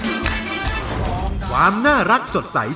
คุณแม่รู้สึกยังไงในตัวของกุ้งอิงบ้าง